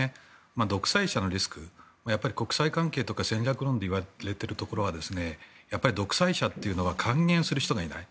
独裁者のリスク、国際関係とか戦略論で言われているところは独裁者というのはかん言する人がいない。